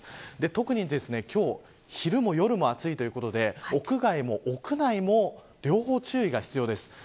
特に今日昼も夜も暑いということで屋外も屋内も両方注意が必要です。